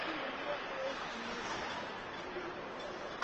kwa sababu wageni waliwahi kuja tangu karne nyingi zilizopita